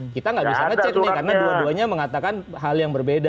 kita nggak bisa ngecek nih karena dua duanya mengatakan hal yang berbeda